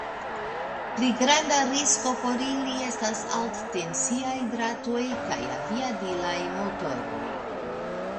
Pli granda risko por ili estas alttensiaj dratoj kaj aviadilaj motoroj.